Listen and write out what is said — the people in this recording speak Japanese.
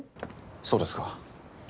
そうですか。